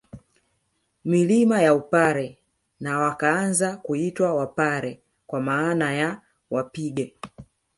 Milima ya Upare na wakaanza kuitwa Wapare kwa maana ya wapige